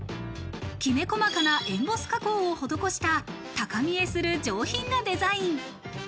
きめ細かなエンボス加工を施した高見えする上品なデザイン。